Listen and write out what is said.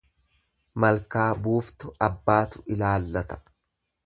Malkaa buuftu abbaatu laallata.